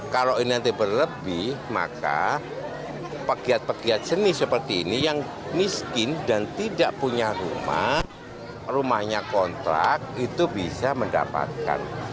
kalau ini nanti berlebih maka pegiat pegiat seni seperti ini yang miskin dan tidak punya rumah rumahnya kontrak itu bisa mendapatkan